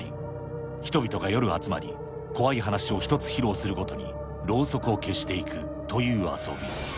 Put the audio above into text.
人々が夜集まり、怖い話を１つ披露するごとにろうそくを消していくという遊び。